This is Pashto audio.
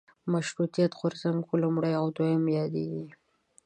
مشروطیت غورځنګ په لومړي او دویم یادېږي.